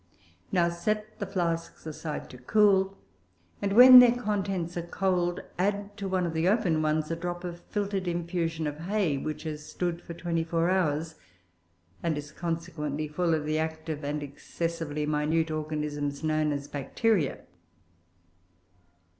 Now set the flasks aside to cool, and, when their contents are cold, add to one of the open ones a drop of filtered infusion of hay which has stood for twenty four hours, and is consequently hill of the active and excessively minute organisms known as Bacteria.